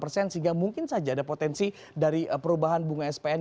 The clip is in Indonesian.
sehingga mungkin saja ada potensi dari perubahan bunga spn